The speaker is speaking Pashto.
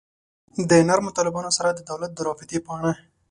د نرمو طالبانو سره د دولت د رابطې په اړه.